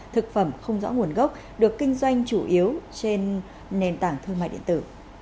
thực phẩm không rõ nguồn gốc được kinh doanh chủ yếu trên nền tảng thương mại điện tử